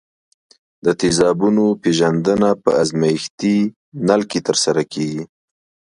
د تیزابونو پیژندنه په ازمیښتي نل کې ترسره کیږي.